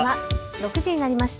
６時になりました。